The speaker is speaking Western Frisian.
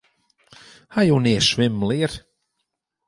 Ha jo nea swimmen leard?